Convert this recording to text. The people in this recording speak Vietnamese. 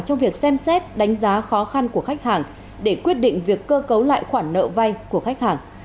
trong việc xem xét đánh giá khó khăn của khách hàng để quyết định việc cơ cấu lại khoản nợ vay của khách hàng